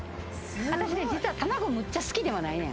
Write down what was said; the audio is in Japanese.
私、実は卵、むっちゃ好きではないねん。